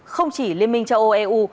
không chỉ liên minh châu âu eu